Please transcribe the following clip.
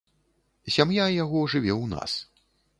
Сям'я яго жыве ў нас.